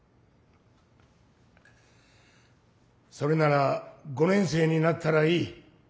それなら５年生になったらいい。